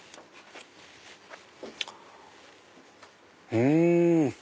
うん！